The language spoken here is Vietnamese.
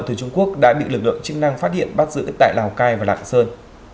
từ trung quốc đã bị lực lượng chức năng phát hiện bắt giữ tại lào cai và lạng sơn